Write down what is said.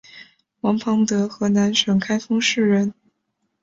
王陇德河南省开封市人。